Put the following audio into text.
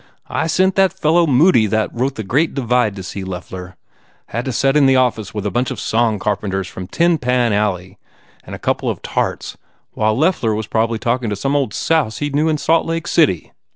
I sent that fellow Moody that wrote the Great Divide to see Loeffler. Had to set in the office with a bunch of song carpenters from tin pan alley and a couple of tarts while Loeffler was prob ly talkin to some old souse he d knew in Salt Lake City.